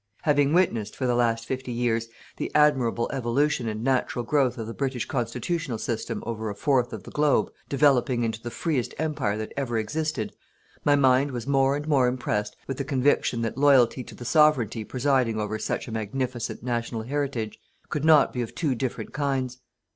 Having witnessed, for the last fifty years, the admirable evolution and natural growth of the British constitutional system over a fourth of the globe, developing into the freest Empire that ever existed, my mind was more and more impressed with the conviction that loyalty to the Sovereignty presiding over such a magnificent national heritage could not be of two different kinds.